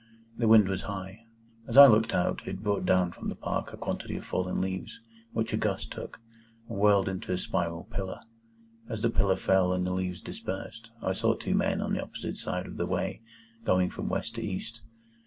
The wind was high. As I looked out, it brought down from the Park a quantity of fallen leaves, which a gust took, and whirled into a spiral pillar. As the pillar fell and the leaves dispersed, I saw two men on the opposite side of the way, going from West to East.